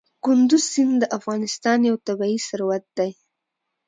کندز سیند د افغانستان یو طبعي ثروت دی.